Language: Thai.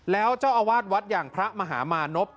แล้วเจ้าอาวาสวัดอย่างพระมหามานพ